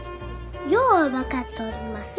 よう分かっとります。